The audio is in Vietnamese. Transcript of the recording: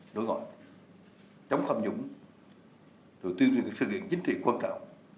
đối gọi chống tham dũng rồi tuyên truyền sự kiện chính trị quan trọng